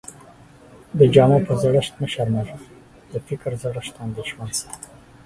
د جامو په زړښت مه شرمېږٸ، د فکر زړښت ته انديښمن سې.